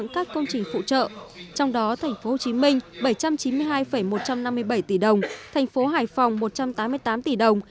các công trình phụ trợ trong đó thành phố hồ chí minh bảy trăm chín mươi hai một trăm năm mươi bảy tỷ đồng thành phố hải phòng một trăm tám mươi tám tỷ đồng